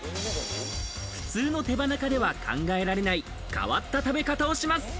普通の手羽中では考えられない変わった食べ方をします。